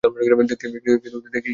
দেখতে ইচ্ছা হয়েছিল শুধু।